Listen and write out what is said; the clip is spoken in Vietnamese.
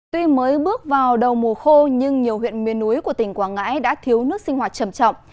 tuy mới bước vào đầu mùa khô nhưng nhiều huyện miền núi của tỉnh quảng ngãi đã thiếu nước sinh hoạt trầm trọng